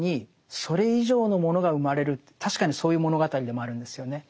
確かにそういう物語でもあるんですよね。